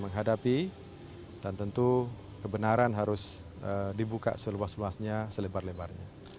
menghadapi dan tentu kebenaran harus dibuka seluas luasnya selebar lebarnya